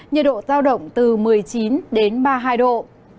nhiệt độ giao động từ một mươi chín đến ba mươi hai độ